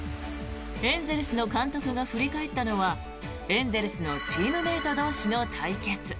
エンゼルスの監督が振り返ったのはエンゼルスのチームメート同士の対決。